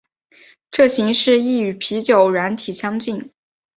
这形式亦与啤酒软体相近。